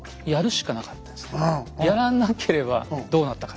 やらなければどうなったか。